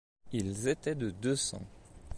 Ils étaient de deux cents.